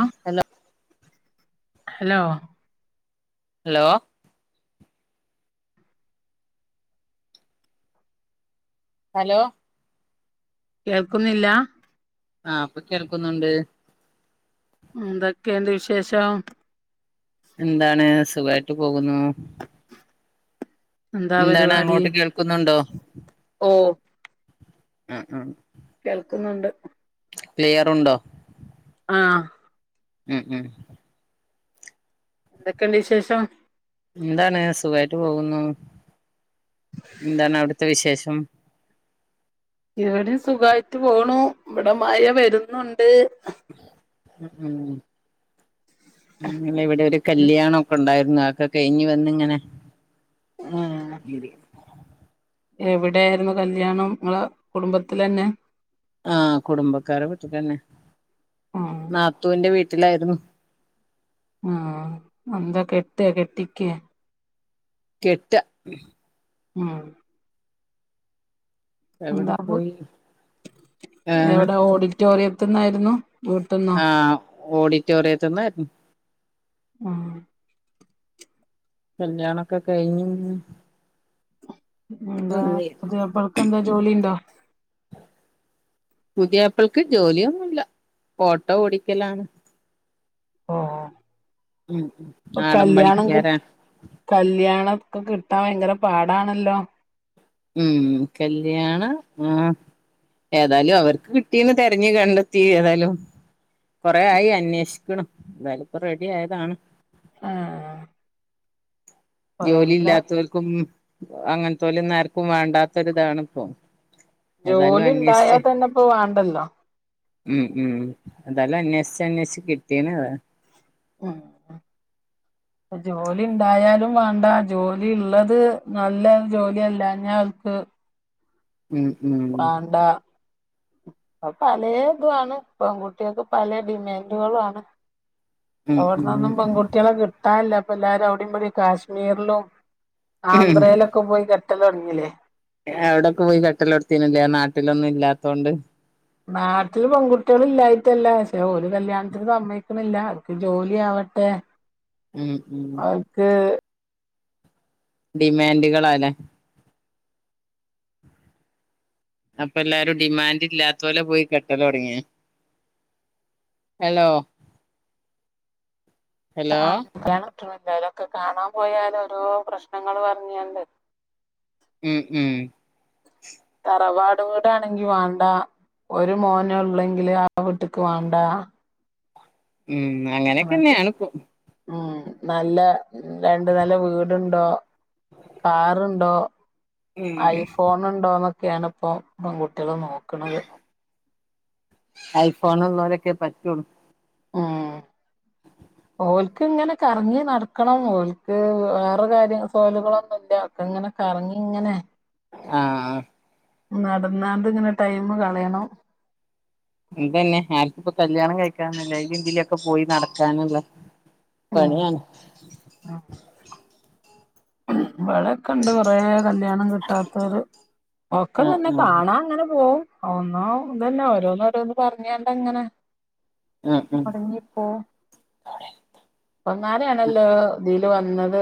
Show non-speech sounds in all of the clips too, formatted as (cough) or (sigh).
ങാ hello hello hello hello കേൾക്കുന്നില്ലാ ആഹ് ഇപ്പ കേൾക്കുന്നുണ്ട് എന്തൊക്കെയൊണ്ട് വിശേഷം എന്താണ് സുഖായിട്ട് പോകുന്നു എന്താ എന്താണ് പരിപാടി അങ്ങോട്ട് കേൾക്കുന്നുണ്ടോ ഓ ആഹ് ആഹ് കേൾക്കുന്നുണ്ട് പ്ലെയറുണ്ടോ ആഹ് ഉം ഉം എന്തൊക്കെണ്ട് വിശേഷം എന്താണ് സുഖായിട്ട് പോകുന്നു എന്താണ് അവിടുത്തെ വിശേഷം ഇവിടെം സുഖായിട്ട് പോണു ഇവടെ മയ വരുന്നുണ് ണ്ട് ഹ് ഉം ഉം ഇന്നലെവിടൊരു ഉം കല്യാണം ഒക്കെ ഒണ്ടാര്- ആ അതൊക്കെ കഴിഞ്ഞ് വന്നിങ്ങനെ മ്മ് എവിടെയായിരുന്നു കല്യാണം? നിങ്ങളെ കുടുംബത്തിലെന്നെ? ആ കുടുംബക്കാര വീട്ടിൽ തന്നെ. ആഹ് നാത്തുവിന്റെ വീ ട്ടിലായിരുന്നു. ആ എന്താ കെട്ടെ, കെട്ടിക്കെ? കെട്ട... മ് എവിടെ (unintelligible) പോയി എവിടെ ഓഡിറ്റ് റ്റോറിയത്തുന്നായിരുന്നു? ആ ഓഡിറ്റോറിയത്ത്ന്നായിരുന്നു. ആ കല്യാണൊക്കെ കഴിഞ്ഞു (unintelligible) എന്താ പുതിയാപ്ലക്കെന്താ ജോലിണ്ടോ? പുതിയാപ്പൾക്ക് ജോലിയൊന്നുല്ല ഓട്ടോ ഓടിക്കലാണ്. ഉം ഓ നാടൻ കല്യാണം പണിക്കാരാ കിട്ടും കല്യാണ (unintelligible) കിട്ടാൻ ഭയങ്കര പാടാണല്ലോ ഉം കല്യാണം ആ ഏതായാലും അവർക്ക് കിട്ടീന്ന് തിരഞ്ഞു കണ്ടെത്തി ഏതായാലും കൊറെ ആയി അന്വേഷിക്കണം എതായാലും ഇപ്പൊ റെഡി ആയതാണ്. ആ ജോലിയില്ലാത്തവർക്കും അങ്ങനെത്തോലും നേരക്കും വേണ്ടാത്തൊരിതാണ് ഇപ്പൊ. ഏതായാലും ജോലി ഉണ്ടായാ അന്വേഷിച്ച തന്നെ ഇപ്പ വാണ്ടല്ലോ മ്മ് മ്മ് അതാലും അന്വേഷിച്ച ന്വേഷ കിട്ടിയന അതാ മ് ജോലി ണ്ടായാലും വാണ്ട ജോലി ള്ളത് നല്ല ജോലി നല്ല (unintelligible) മ് മ് അപ്പ പല ഇതുാണ് പെൺകുട്ടികൾക്ക് പല ഡിമാൻഡുകളാണ് ഉം ഉം അവിടന്നൊന്നും പെൺകുട്ടികളെ കിട്ടാില്ല ഇ എല്ലാരും അവിടെ് കാശ്മീരിലും ആന്ധ്രയിലൊക്കെ പോയി (unintelligible) തുടങ്ങല്ലേ എവിടയൊക്കെ പോയി കട്ടല എടുത്തീനില്ല നാട്ടിലൊന്നും ഇല്ലാത്തോണ്ട്. നാട്ടില് പെൺകുട്ടികൾ ഇല്ലായിട്ടല്ല പക്ഷെ ഒരു കല്യാണത്തിന് സമ്മക്കണില്ല അർക്ക് ജോലി ആവട്ടെ ഉം ഉം (unintelligible) ഡിമാൻഡുകളല്ലേ അപ്പൊ എല്ലാരും ഡിമാൻഡ് ഇല്ലാത്തോലെ പോയി കെട്ടലൊട്ങ്ങി ഹലോ ഹലോ (unintelligible) ക്കെ കാണാൻ പോയാല് ഓരോ പ്രശ്നങ്ങൾ പറഞ്ഞണ്ട് ഉം ഉം പ്രറവാടോടാണെങ്കി വേണ്ട ഒരു മോന ഉള്ളെങ്കില് ആ വീട്ട്ക്ക് വാണ്ട ഉം അങ്ങനൊക്കെ അങ്ങനെക്കെന്നെയാണിപ്പ ഉം നല്ല ന്താണ്ട് നല്ല വീടുണ് ഓ കാറുണ്ടോ ഉം ഐഫോണൊണ്ടോന്നൊക് കേണപ്പൊ (unintelligible) ക്കളെ നോക്കണത് ഐഫോണുള്ളോരൊക്കെ പറ്റുള്ളൂ ഉം ഓൽക്ക് ങ്ങനെ കറങ്ങി നടക്കണം ഓൽക്ക് വേറെ കാര്യം സോലുകളൊന്നുംല്ല അവക്ക ങ്ങനെ കറങ്ങി ങ്ങനെ ആഹ് നടന്നാണ്ട്ങ്ങനെ ടൈമ് കളയണം എന്തന്നെ ആൾക്കിപ്പോ കല്ല്യാണം കഴിക്കാനല്ലേ ഐലി ഇന്ത്ലി ക്കെ പോയി നടക്കാനുള്ള ഉം പണിയാണ് അ (unintelligible) ഇബടെക്കെ ണ്ട് കൊറേ കല്യാണം കിട്ടാത്തവര് ഒക്കെ ആഹ് തന്നെ ആഹ് കാണാൻ അങ്ങനെ പോവും ഒന്നോ ഇതന്നെ ഓരോന്നോരോന്ന് പറഞ്ഞാണ്ടങ്ങനെ ആഹ് ആഹ് മൊട്ങ്ങിപ്പോ പ്പന്നേരെയാണല്ലോ ജയിലി ത് വന്നത്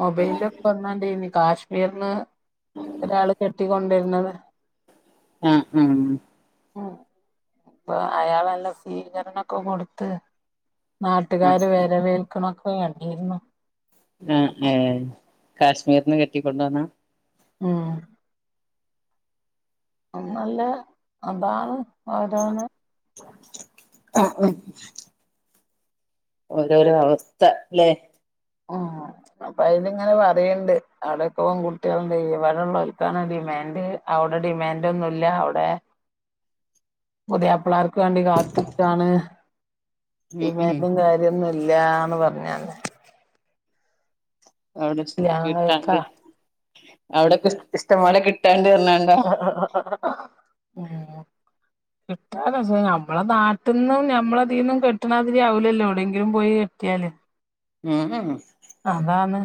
മൊബൈലൊക്കെ ഒന്നാണ്ടിനി കാശ് വിയർന്ന് ഒരാൾ കെട്ടിക്കൊണ്ടെ ന്നതെ അ ആ ഉ പ്പൊ അയാളല്ല സീകരണൊ ക്കെ കൊടുത്ത് ആഹ് നാട്ടുകാര് വെരവേൽ ക്ണൊകെ അണ്ടിരുന്നു ആ ഏ കാശ്മീർന്ന് കെട്ടിക്കൊണ്ടോന്നാ ആഹ് അന്നല്ല അതാണ് അതാണ് ആഹ് ആഹ് ഓരോരോ അവസ്ഥ ഇല്ലേ (unintelligible) അപ്പ അയിങ്ങനെ പറയ്ണ്ട് അവിടെക്ക കുട്ടികളണ്ട് ഇവിടെ ഉള്ളവർക്കാണ് ഡിമാൻഡ് അവിടെ ഡിമാൻഡ് ഒന്നൂല്ല അവിടെ ഉതയപ്ലാർ വേണ്ടി കാത്ത്ക്കാണ് ഉം ഉം ഡിമാൻഡും കാര്യോന്നു ഇല്ലാന്ന് പറഞ്ഞാന്നെ അവിടെ കഴിക്കാ കിട്ടാണ്ട് അവിടെക്കെ ഇഷ്ഇഷ്ടം പോലെ കി ആഹ് ആഹ് ആഹ് ആഹ് ആഹ് മ്... കിട്ടാ (unintelligible) ഞമ്മളെ നാട്ടിൽ നിന്നും നമ്മളെഇദീന്നും കെട്ടണാതിരി ആവൂലല്ലോ എവിടെങ്കിലും പോയിട്ടിയാല് മ് അതാണ്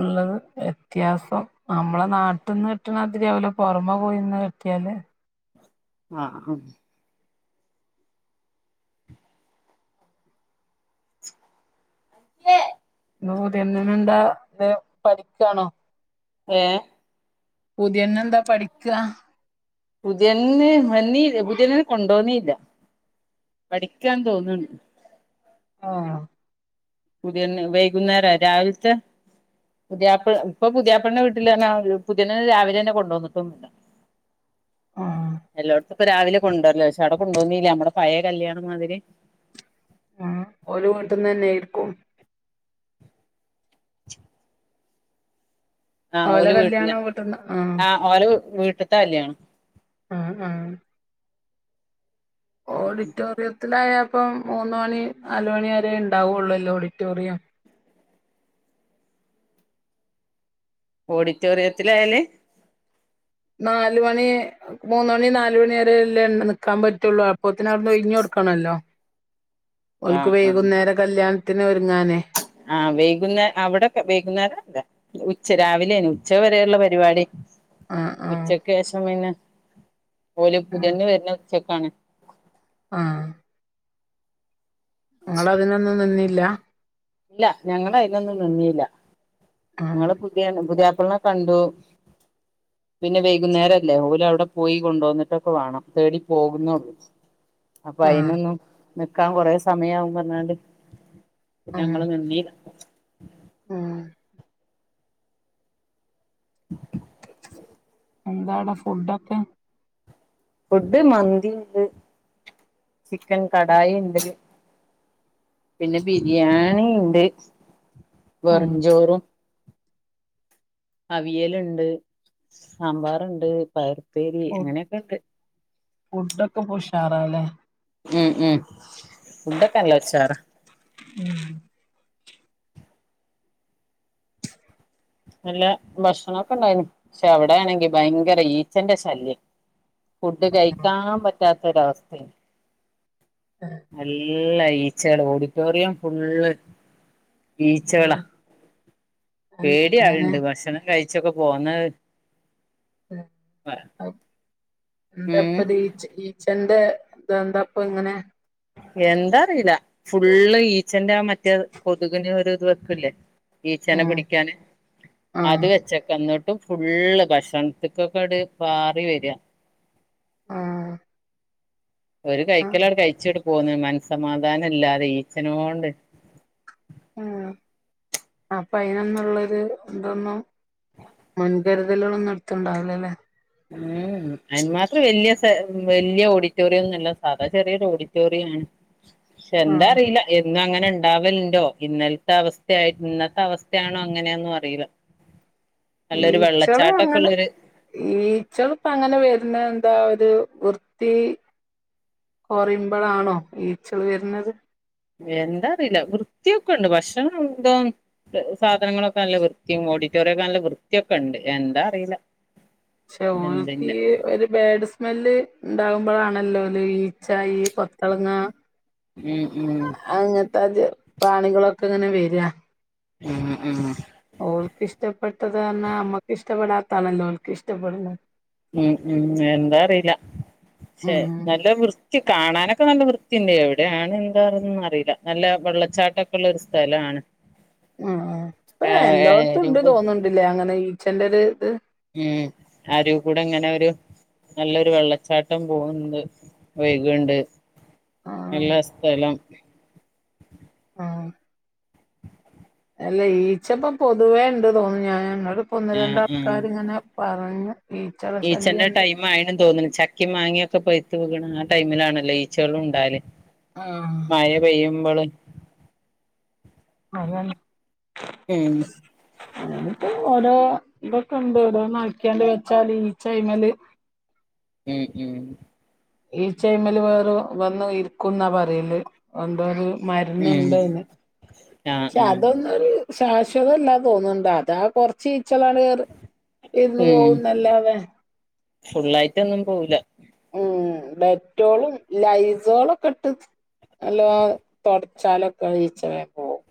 ഉള്ളത് വ്യത്യാസം നമ്മളെ നാട്ടിൽന്ന് കിട്ട്ണാതിരി ആവൂല പൊറമെ പോയിന്ന് കെട്ടിയാൽ ആഹ് ആഹ് ഇന്ന് പുതിയെണ്ണിന് ഇണ്ടാ തോ പഠിക്കാണോ ഏഹ് പുതിയണ്ണെന്താ പഠിക്കാ? പുതിയണ്ണ് വന്നി പുതിയണ്ണിനെ കൊണ്ടോന്നില്ല, പഠിക്കാന്ന് തോന്ന് ആഹ് പുതിയണ്ണ് വൈകുന്നേരം രാവിൽത്തെ പുതിയാപ്പള ഇപ്പൊ പുതിയാപ്പള്ളന്റെ വീട്ടില് ന്നാ ഒരു പുതുയണ്ണിനെ രാവിലെ തന്നെ കൊണ്ടന്നിട്ടൊന്നില്ല, ആഹ് എല്ലോട്ത്തും ഇപ്പ രാവിലെ കൊണ്ടുവര്ലാ പഷെ അവടെ കൊണ്ടോന്നില്ല നമ്മടെ പയേ കല്യാണം മാതിരി ആഹ് ഓല് വീട്ടിന്നന്നേർക്കും. ആ ഓലെ ഓല് വീട്ടിലാ കല്യാണം വീട്ട്ന്ന് ആഹ് ആ ഓല വീട്ട് ഇപ്പത്തെ കല്യാണം ആഹ് ആഹ് ഓഡിറ്റോറിയത്തിലായാ ഇപ്പം മൂന്ന് മണി നാല് മണി വരെ ഉണ്ടാവുള്ളൂല്ലോ ഓഡിറ്റോറിയം ഓഡിറ്റോറിയത്തിലായാല് നാല് മണി മൂന്ന് മണി നാല് മണി വരെല്ലെ നിക്കാൻ പ റ്റുള്ളൂ അപ്പോത്തിന് അവിടന്ന് ഒഴിഞ്ഞു കൊടുക്കണല്ലോ ഓൽക്ക് വൈകുന്നേരം കല്യാ ത്തിന് ഓരു ആഹ് വൈകുന്നേ അവിടക്കെ വൈകുന്നേരല്ലേ ഉച് ച്ച രാവിലേണ് ഉച്ച വരെള്ള പരിപാടി ആഹ് ആഹ് ഉച്ചക്ക് ശേഷം പിന്നെ ഓൽ പുതിയണ്ണ് വര്ണത് ഉച്ചക്കാണ് (unintelligible) ആ നിങ്ങള് അതിനൊന്നും നിന്നില്ല ഇല്ല ഞങ്ങള് അയിലൊന്നും നിന്നില്ല ആഹ് നിങ്ങള് പുതിയ മുതല അപ്പളെ കണ്ടു പിന്നെ വൈകുന്നേരല്ലേ ഓല് അവിടെ പോയി കൊണ്ട വന്നിട്ടൊക്കെ വേണം തേടി പോകുന്നുള്ളു അപ്പൊ ആഹ് അയിനൊന്നും നിക്കാൻ കുറേ സമയവും പറഞൊണ്ട് ഞങ്ങളൾ നിന്നീല്ലാ ഉ ഉ എന്താവിട ഫുഡൊക്കെ ഫുഡ് മന്തി ഉണ്ട് ചിക്കൻ കടായി ഉണ്ട് പിന്നെ ബിരിയാണി ഉണ്ട് ഉം വെറുംചോറും അവിയലുണ്ട് സാമ്പാറുണ്ട് ഉപ്പേരി നിനകൊക്കെ ഫുഡൊക്കെ ഉഷാറാല്ലാം ഉം ഉം ഫുഡൊക്കെല്ല ചോറാ ഉം നല്ല ഭക്ഷണൊക്കെ ഉണ്ടായിന് പക്ഷെ അവിടെയാണെങ്കി ഭയങ്കര ഈച്ചന്റെ ശല്യം ഫുഡ് കഴിക്കാൻ പറ്റാത്ത ഒരവസ്ഥ അനു അല്ല ഉള്ള ഈച്ചകൾ ഓഡിറ്റോറിയം ഫുള് ഈച്ചകള ഉം എന്താ പേടിയ അങ്ങനെ ആളണ്ട് ഭക്ഷണം കഴി ഇച്ചൊക്കെ പോകാന്ന് മൂ അ മൂ എന്താ ഉം ഇപ്പഇത്‌ ഈ ഈച്ചന്റെ ഇത് എന്താ ഇപ്പാ ഇങ്ങനെ എന്താറിയില്ല ഫുള്ള് ഈച്ചന്റെ മറ്റേ കൊതുകിന് ഒരു ഇത് വെക്കില്ലേ ഈച്ചനെ ഉം പിടിക്കാന് അത് ആഹ് വെച്ചക്കെ എന്നി ഫുള്ള് ഭക്ഷണത്തിക്കൊക്കെടി പാറി വര്യാ ആ ഒരു കൈക്കില കഴിച്ചിട്ട് പോന്നു മനസ്സമാധാനം ഇല്ലാതെ ഈച്ചന കൊണ്ട് ഉ അപ്പൊ അയിനന്നുള്ളോരു ഇന്തൊന്നും മുൻകരുതലുകളൊന്നും എടുത്തണ്ടാവിലല്ലേ ഉം അന് മാത്രം വെല്യ സ വെല്യ ഓഡിറ്റോറിയം ഒന്നുംല്ല സാദാ ചെറിയൊരു ഓഡിറ്റോറിയം ആണ് പക്ഷെ എന്താ ആഹ് അറിയില്ല എന്നും അങ്ങനെ ഉണ്ടാവലുണ്ടോ ഇന്നലത്തെ അവസ്ഥയായി ഇന്നത്തെ അവസ്ഥയാണോ അങ്ങനെയൊന്നും അറിയില്ല നല്ലൊരു ഈച്ചള് വെള്ളച്ചാട്ടൊക്കെ അങ്ങനെ ഉള്ളൊരു ഈ ഈച്ചളിപ്പ അങ്ങനെ വരുന്നത് എന്താ ഒരു വൃത്തി കൊറയുമ്പോളാണോ ഈച്ചകൾ വരുന്നത് എന്താ അറിയില്ല വൃത്തിയൊക്കെ ഉണ്ട് ഭക്ഷണം എന്തോ സാധനങ്ങളൊക്കെ നല്ല വൃത്തിയും ഓഡിറ്റോറിയം ഒക്കെ നല്ല വൃത്തിയൊക്കെ ഒണ്ട് എന്താ അറിയില്ല പക്ഷേ ഓൾക്ക് എന്തിന്റെ ഈ ഒരു ബാഡ് സ്മെല്ല് ഉണ്ടാവും ഇപ്പളാണല്ലോ ഈ ഈച്ച, ഈ കൊത്തളങ്ങ ഉം ഉം അങ്ങനത്തത് പ്രാണികളൊക്കെ അങ്ങനെ വരികാ ഉം, ഉം ഓൾക്ക് ഇഷ്ടപ്പെട്ടത് തന്നെ അമ്മക്ക് ഇഷ്ടപ്പെടാത്താതാണല്ലോ അവൾക്ക് ഇഷ്ടപ്പെടുന്നത്. ഉം, ഉം എന്താ അറിയില്ല പക്ഷെ ഉം നല്ല വൃത്തി കാണാനൊക്കെ നല്ല വൃത്തി ത്തിന്റെ എവിടെ അത് എന്താണൊന്നും അറിയില്ല, നല്ല വെള്ളച്ചാട്ടൊക്കൊള്ള ഒരു സ്ഥലാണ് ആആ ഇപ്പ എല്ലോടുത്തും ഉണ്ട് എന്ന് രൂപ തോന്നുന്നില്ല, അങ്ങനെ ഈ അച്ഛന്റെ ഒരു ഇത് ഉം അരുകി കൂടെ ഇങ്ങനെ ഒരു നല്ലൊരു വെള്ളച്ചാട്ടം പോകണ്ട്, ഒഴുകണുണ്ട്. ആഹ് എല്ലാ (unintelligible) ആ അല്ല, ഈച്ച ഇപ്പം പൊതുവേ ഉണ്ട് തോന്നു ഞാൻ ഇപ്പൊ ഒന്ന്, രണ്ട് ആൾക്കാർ ഇങ്ങനെ പറഞ്ഞ് ഈച്ചേന്റെ ടൈം ആയണു തോന്നുന്നു, ച ചക്കെയും മാങ്ങയൊക്കെ പഴുത്ത് പൊങ്ങണ ആ ടൈമിലാണല്ലോ ഈച്ചകളും ഉണ്ടാകല്. ആഹ് മഴ പെയ്യുമ്പോള് (unintelligible) (unintelligible) ഉം എന്നിട്ട് ഓരോ ഇതൊക്കെ ഉണ്ട്, ഓരോ നായ്ക്കിയാണ്ട് വെച്ചാല് ഈച്ച അയിൻ മേല് ഉം ഉം ഈച്ച ഇതിൻമേല്‌ വേറൊ വന്ന് ഇരിക്കും എന്നാ പറയില്‌, (unintelligible) ഉം മരുന്നുണ്ടിതിന് ആഹ് പക്ഷെ ആഹ് അതൊന്നൊരു ശാശ്വതം ഇല്ലാ തോന്നുന്നുണ്ട് അതാ കുറച്ച് ചില ആളുകർ ഇരുന്ന് ഉം പോകുന്നല്ലാതേ ഫുള്ളായിട്ടൊന്നും പോവില്ല ഉം, ഡെറ്റോളും, ലൈസോളൊക്കെ ഇട്ട് നല്ല തൊടച്ചാലൊക്കെ ഈച്ച വേഗം പോവും.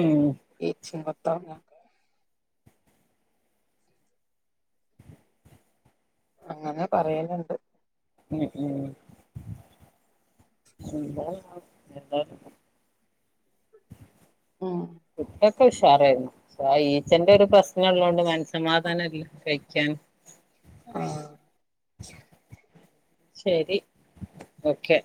ഉം ഈച്ച ത അങ്ങനെ പറയലുണ്ട് ഉ, ഉം ആ ഫുഡൊക്കെ ഉഷാറായിരുന്നു, (unintelligible) ഈച്ചന്റെ ഒരു പ്രശ്നം ഉള്ളതോണ്ട് മനസ്സമാധാനം ഇല്ല കഴിക്കാൻ ആ ശരി ഓക്കെ